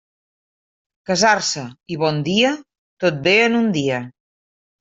Casar-se i bon dia, tot ve en un dia.